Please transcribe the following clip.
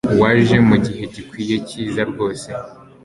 Waje mugihe gikwiye cyiza rwose.